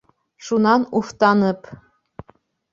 Шунан уфтанып: